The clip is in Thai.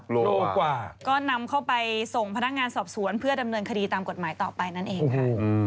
โลกว่าก็นำเข้าไปส่งพนักงานสอบสวนเพื่อดำเนินคดีตามกฎหมายต่อไปนั่นเองค่ะ